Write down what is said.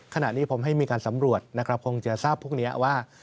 ขณะนี้ผมให้มีการสำรวจนะครับคงจะทราบพวกนี้ว่า